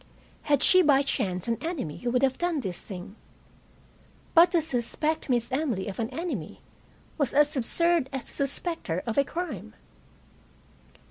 Had she by chance an enemy who would have done this thing? But to suspect Miss Emily of an enemy was as absurd as to suspect her of a crime.